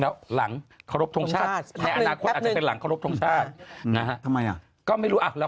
เอาเงินเอาจากทอเธอเลยดีกว่า